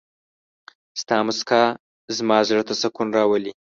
ستا مسکا زما زړه ته سکون راولي.